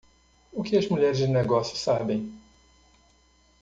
O que as mulheres de negócios sabem?